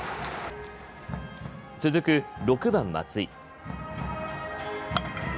続く、６番・松井。